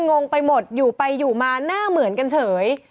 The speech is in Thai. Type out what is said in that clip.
งงไปหมดอยู่ไปอยู่มาหน้าเหมือนกันเฉย